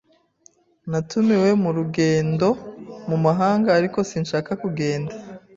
Natumiwe mu rugendo mu mahanga, ariko sinshaka kugenda.